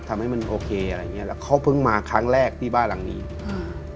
ทำให้มันโอเคอะไรอย่างเงี้แล้วเขาเพิ่งมาครั้งแรกที่บ้านหลังนี้อ่า